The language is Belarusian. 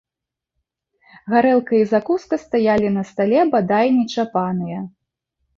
Гарэлка і закуска стаялі на стале бадай нечапаныя.